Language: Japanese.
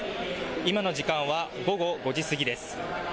今の時間は午後５時過ぎです。